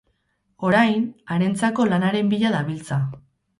Orain, harentzako lanaren bila dabiltza.